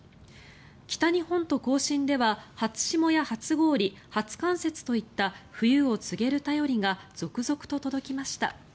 北日本と甲信では初霜や初氷初冠雪といった冬を告げる便りが続々と届きました。